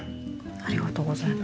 ありがとうございます。